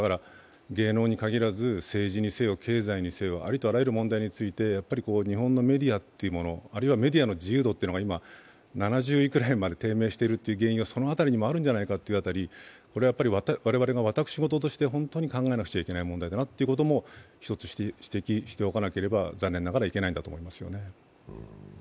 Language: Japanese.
芸能に限らず政治にせよ経済にせよありとあらゆる問題について日本のメディアというもの、あるいはメディアの自由度というのが今、７０位ぐらいまで低迷しているという原因はその辺りにあるんじゃないかと我々が私事として本当に考えなきゃいけない問題だということを一つ指摘しておかなきゃいけないということも残念ながらいけないんだと思うんですよね。